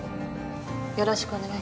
よろしくお願いします。